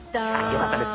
よかったです